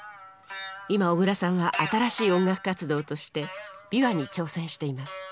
今小椋さんは新しい音楽活動として琵琶に挑戦しています。